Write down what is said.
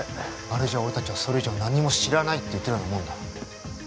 あれじゃ俺達はそれ以上何も知らないと言ってるようなもんだ